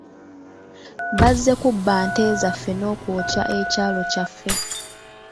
Bazze kubba nte zaaffe n'okwokya ekyalo kyaffe.